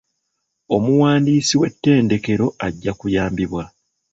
Omuwandiisi w'ettendekero ajja kuyambibwa.